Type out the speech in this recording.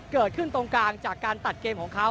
เกิดขึ้นตรงกลางจากการตัดเกมของเขา